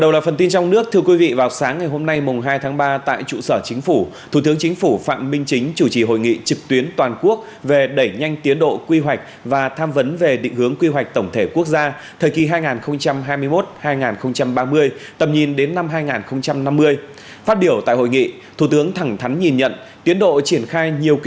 chào mừng quý vị đến với bộ phim hãy nhớ like share và đăng ký kênh của chúng mình nhé